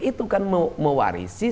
itu kan mewarisi